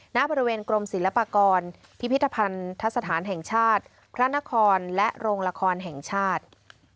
ณบริเวณกรมศิลปากรพิพิธภัณฑสถานแห่งชาติพระนครและโรงละครแห่งชาติ